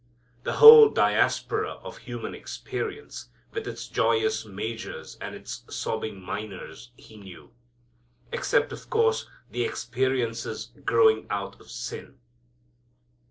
The whole diapason of human experience, with its joyous majors and its sobbing minors, He knew. Except, of course, the experiences growing out of sin.